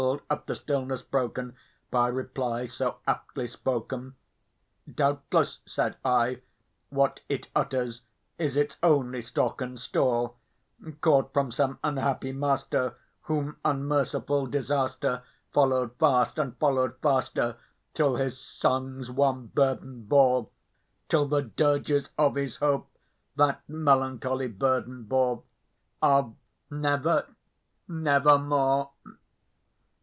Startled at the stillness broken by reply so aptly spoken, "Doubtless," said I, "what it utters is its only stock and store, Caught from some unhappy master whom unmerciful Disaster Followed fast and followed faster till his songs one burden bore Till the dirges of his Hope that melancholy burden bore Of 'Never nevermore'."